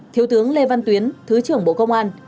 thiếu tướng lê văn tuyến thứ trưởng bộ công an